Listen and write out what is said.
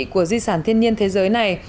của di sản thiên nhiên thế giới này